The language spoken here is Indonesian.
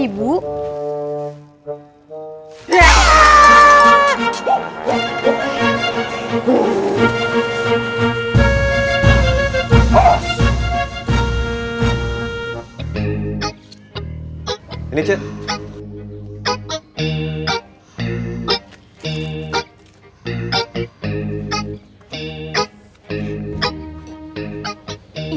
ini kau berapa cek enam ribu ini